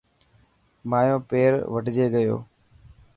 مايو پير وڍجي گيو.